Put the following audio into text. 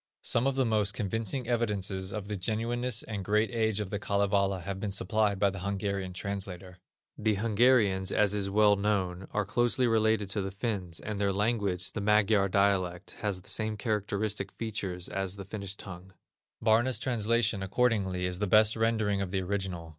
Some of the most convincing evidences of the genuineness and great age of the Kalevala have been supplied by the Hungarian translator. The Hungarians, as is well known, are closely related to the Finns, and their language, the Magyar dialect, has the same characteristic features as the Finnish tongue. Barna's translation, accordingly, is the best rendering of the original.